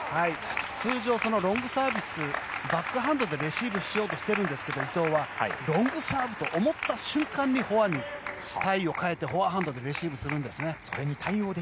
通常ロングサービスバックハンドでレシーブしようとしているんですけど伊藤はロングサーブと思った瞬間にフォアハンドでレシーブするんですね。